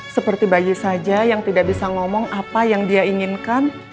seperti bagi saja yang tidak bisa ngomong apa yang dia inginkan